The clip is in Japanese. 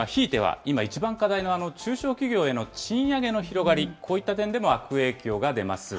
今一番課題の中小企業への賃上げの広がり、こういった点でも悪影響が出ます。